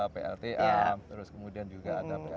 plta terus kemudian juga ada pln